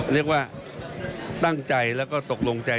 เรียกว่าตั้งใจแล้วก็ตกลงใจ